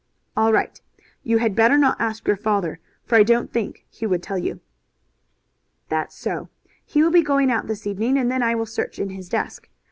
"All right! You had better not ask your father, for I don't think he would tell you." "That's so. He will be going out this evening, and then I will search in his desk.